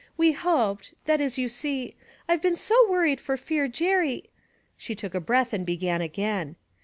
We hoped that is, you see I've been so worried for fear Jerry ' She took a breath and began again.